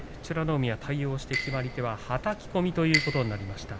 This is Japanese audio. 海は対応して決まり手は、はたき込みということになりました。